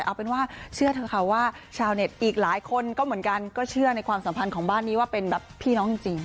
เอาเป็นว่าเชื่อเถอะค่ะว่าชาวเน็ตอีกหลายคนก็เหมือนกันก็เชื่อในความสัมพันธ์ของบ้านนี้ว่าเป็นแบบพี่น้องจริง